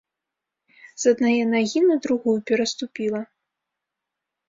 З аднае нагі на другую пераступіла.